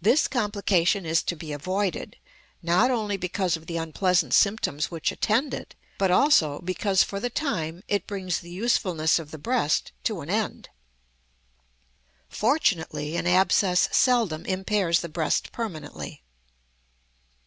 This complication is to be avoided, not only because of the unpleasant symptoms which attend it, but also because for the time it brings the usefulness of the breast to an end. Fortunately an abscess seldom impairs the breast permanently.